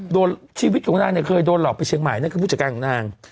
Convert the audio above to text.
ชีวิตของนางเนี่ยเคยโดนหลอกไปเชียงใหม่นั่นคือผู้จัดการของนาง